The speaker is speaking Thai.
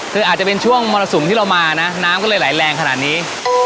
คืออาจจะเป็นช่วงมรสุมที่เรามานะน้ำก็เลยไหลแรงขนาดนี้